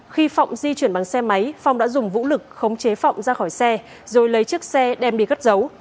khi phong di chuyển bằng xe máy phong đã dùng vũ lực khống chế phong ra khỏi xe rồi lấy chiếc xe đem đi gất giấu